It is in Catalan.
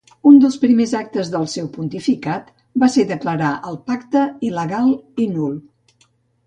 Un dels primers actes del seu pontificat va ser declarar el pacte il·legal i nul.